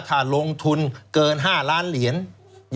ถ้าลงทุนเกิน๕ล้านเหรียญ